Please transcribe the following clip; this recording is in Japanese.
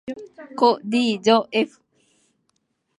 こ ｄ じょ ｆ